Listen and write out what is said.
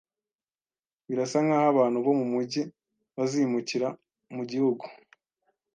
Birasa nkaho abantu bo mumujyi bazimukira mugihugu